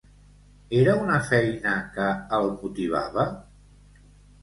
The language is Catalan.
Era una feina que el motivava?